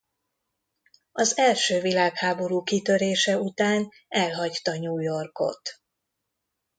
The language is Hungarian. Az első világháború kitörése után elhagyta New Yorkot.